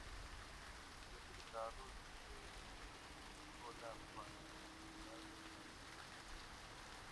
Antes de ser liberado, se le explicó la falsedad de las supersticiones.